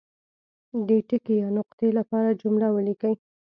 د ټکي یا نقطې لپاره جمله ولیکي.